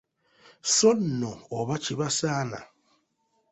So nno oba kibasaana!